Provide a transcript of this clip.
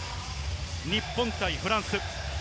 日本対フランス。